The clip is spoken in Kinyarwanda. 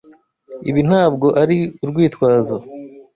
Ibi ntabwo ari urwitwazo.